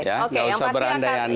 gak usah berandai andai